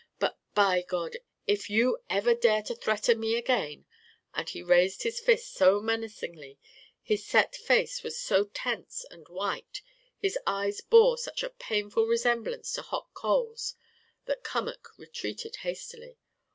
But by God! if you ever dare to threaten me again " And he raised his fist so menacingly, his set face was so tense and white, his eyes bore such a painful resemblance to hot coals, that Cummack retreated hastily.